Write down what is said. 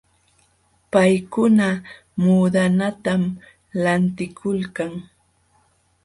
Paykuna muudanatam lantikulkan.